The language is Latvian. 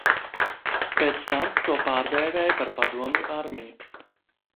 Pēc tam to pārdēvēja par Padomju armiju.